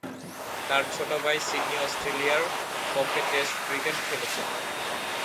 তার ছোট ভাই সিডনি অস্ট্রেলিয়ার পক্ষে টেস্ট ক্রিকেট খেলেছেন।